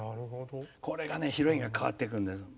これがヒロインが変わっていくんです。